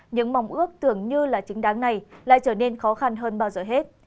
những mong ước tưởng như là chính đáng này lại trở nên khó khăn hơn bao giờ hết